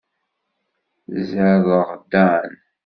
Ẓẓareɣ Dan.